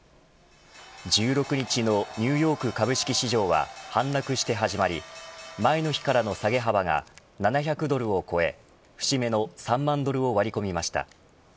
１６日のニューヨーク株式市場は反落して始まり前の日からの下げ幅が７００ドルを超え節目の３万ドルを割り込みました。